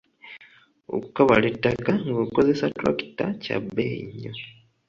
Okukabala ettaka ng'okozesa ttulakita kya bbeeyi nnyo.